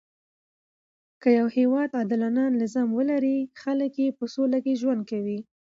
که يو هیواد عادلانه نظام ولري؛ خلک ئې په سوله کښي ژوند کوي.